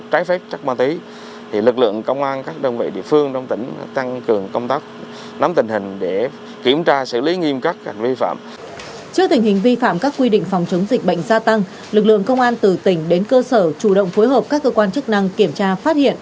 trước tình hình vi phạm các quy định phòng chống dịch bệnh gia tăng lực lượng công an từ tỉnh đến cơ sở chủ động phối hợp các cơ quan chức năng kiểm tra phát hiện